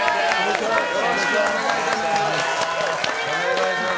よろしくお願いします。